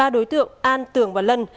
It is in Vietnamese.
ba đối tượng an tường và lân